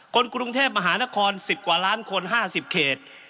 คนกรุงเทพย์มหานครสิบกว่าล้านคนห้าสิบเคตร